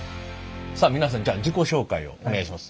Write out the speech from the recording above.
さあ皆さんじゃあ自己紹介をお願いします。